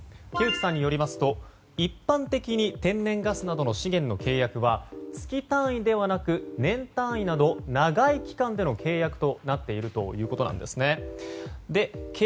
木内さんによりますと一般的に天然ガスなどの資源の契約は月単位ではなく年単位など長い期間での契約となっているということなんですね。